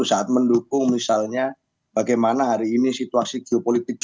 saat mendukung misalnya bagaimana hari ini situasi geopolitik